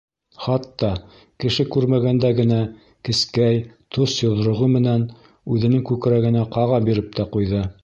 Хатта, кеше күрмәгәндә генә, кескәй, тос йоҙроғо менән үҙенең күкрәгенә ҡаға биреп тә ҡуйҙы.